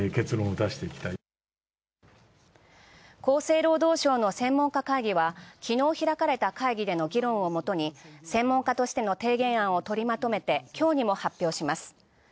厚生労働省の専門家会議は昨日開かれた議論をもとに、専門家としての提言案を取りまとめて今日にも発表します。